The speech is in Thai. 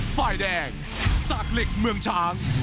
ฝ่ายแดงสากเหล็กเมืองช้าง